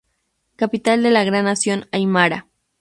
Capital de la Gran Nación Aimara.